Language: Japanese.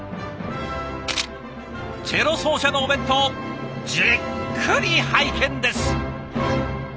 チェロ奏者のお弁当じっくり拝見です。